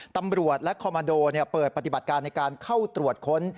ตำรวจและคอมมาโดเปิดปฏิบัติการในการเข้าตรวจค้น